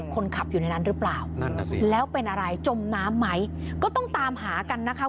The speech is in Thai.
คนขับอยู่ในนั้นหรือเปล่านั่นน่ะสิแล้วเป็นอะไรจมน้ำไหมก็ต้องตามหากันนะคะ